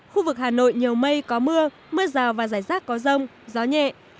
khu vực hà nội nhiều mây có mưa mưa rào và rải rác có rông gió nhẹ